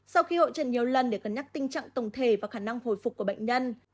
sau khi hội trần nhiều lần để cân nhắc tình trạng tổng thể và khả năng hồi phục của bệnh nhân